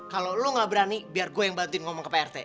kalau lo gak berani biar gue yang bantuin ngomong ke prt